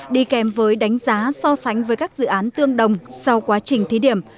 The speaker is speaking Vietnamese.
đi kèm với đánh giá so sánh với các dự án tương đồng sau quá trình thí điểm